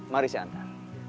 mari saya hantar